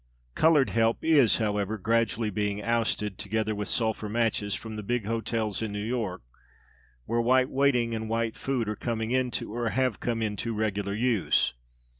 Coloured Help is, however, gradually being ousted (together with sulphur matches) from the big hotels in New York, where white waiting and white food are coming into, or have come into, regular use.